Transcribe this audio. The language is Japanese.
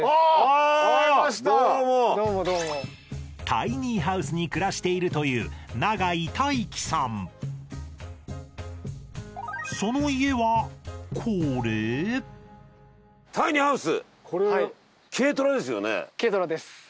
タイニーハウスに暮らしているというタイニーハウス。